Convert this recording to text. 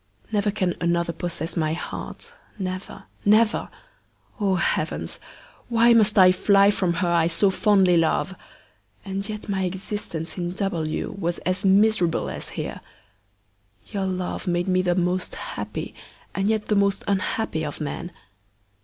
Never can another possess my heart never, never! Oh, heavens! Why must I fly from her I so fondly love? and yet my existence in W. was as miserable as here. Your love made me the most happy and yet the most unhappy of men.